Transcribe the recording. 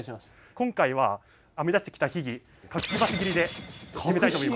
今回は編み出してきた秘技隠し箸切りでいってみたいと思います。